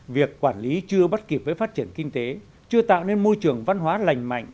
việc quản lý chưa bắt kịp với phát triển kinh tế chưa tạo nên môi trường văn hóa lành mạnh